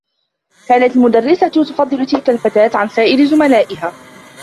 كانت المدرّسة تفضّل تلك الفتاة عن سائر زملائها.